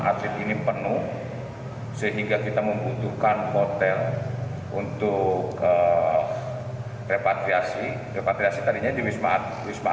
atlet ini penuh sehingga kita membutuhkan hotel untuk repatriasi repatriasi tadinya di wisma wisma